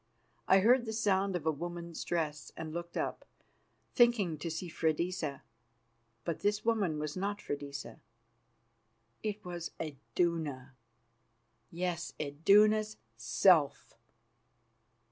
I heard the sound of a woman's dress, and looked up, thinking to see Freydisa. But this woman was not Freydisa; it was Iduna! Yes, Iduna's self!